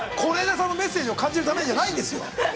これでメッセージを感じるためじゃないんですよ。